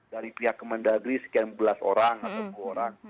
dari pihak kemendagri sekian belas orang atau sepuluh orang